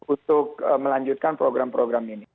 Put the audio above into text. untuk melanjutkan program program ini